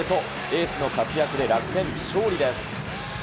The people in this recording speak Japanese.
エースの活躍で楽天、勝利です。